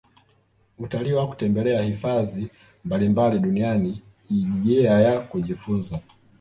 Utalii wa kutembelea hifadhi mbalimbali duniani i jia ya kujifunza